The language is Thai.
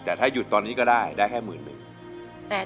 แต่ถ้าหยุดตอนนี้ก็ได้ได้แค่หมื่นหนึ่ง